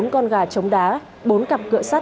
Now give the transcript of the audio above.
bốn con gà chống đá bốn cặp cỡ sắt